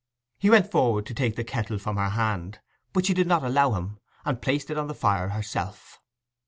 He went forward to take the kettle from her hand, but she did not allow him, and placed it on the fire herself.